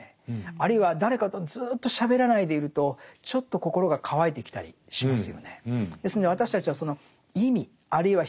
あるいは誰かとずっとしゃべらないでいるとちょっと心が乾いてきたりしますよね。